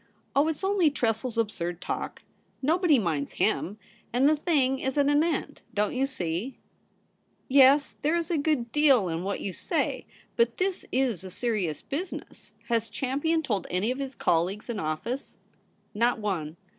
Oh, it's only Tressel's absurd talk — nobody minds ///;;/, and the thing is at an end, don't you see ?'' Yes ; there is a good deal in what you say. But this is a serious business. Has Champion told any of his colleagues in office ?'' Not one.